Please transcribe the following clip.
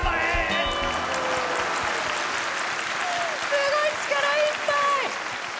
すごい力いっぱい！